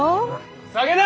酒だ！